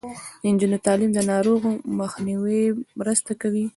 د نجونو تعلیم د ناروغیو مخنیوي مرسته کوي.